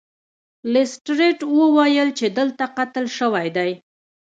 لیسټرډ وویل چې دلته قتل شوی دی.